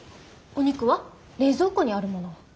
お肉は冷蔵庫にあるものを。